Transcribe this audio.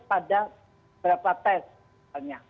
pada beberapa tes